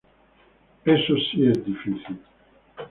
Eso si es difícil.